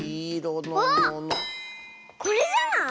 あっこれじゃない？